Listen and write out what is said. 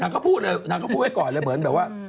ก็พูดเลยนางก็พูดไว้ก่อนเลยเหมือนแบบว่า